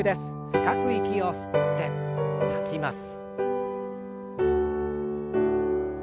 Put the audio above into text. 深く息を吸って吐きます。